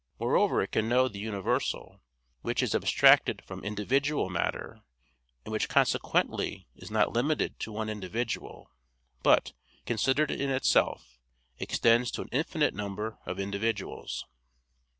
Moreover it can know the universal, which is abstracted from individual matter, and which consequently is not limited to one individual, but, considered in itself, extends to an infinite number of individuals.